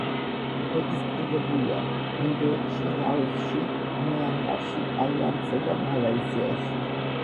რეგისტრირებულია: ინდოეთში, ლაოსში, მიანმარში, ტაილანდსა და მალაიზიაში.